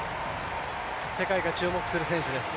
世界が注目する選手です。